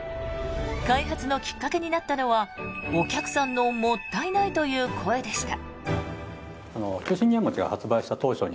開発のきっかけになったのはお客さんのもったいないという声でした。